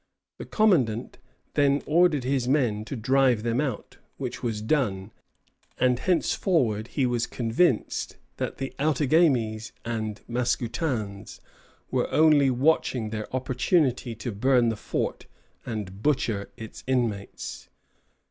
The commandant then ordered his men to drive them out; which was done, and henceforward he was convinced that the Outagamies and Mascoutins were only watching their opportunity to burn the fort and butcher its inmates.